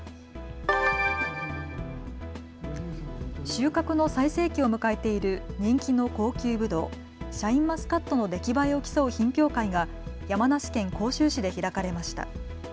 収穫の最盛期を迎えている人気の高級ぶどう、シャインマスカットの出来栄えを競う品評会が山梨県甲州市で開かれました。